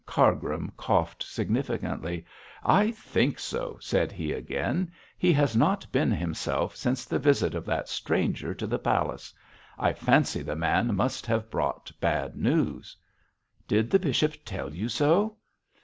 Cargrim coughed significantly. 'I think so,' said he again. 'He has not been himself since the visit of that stranger to the palace. I fancy the man must have brought bad news.' 'Did the bishop tell you so?'